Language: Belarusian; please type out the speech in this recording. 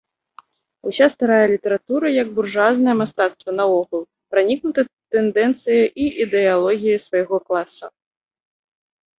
Уся старая літаратура, як буржуазнае мастацтва наогул, пранікнута тэндэнцыяй і ідэалогіяй свайго класа.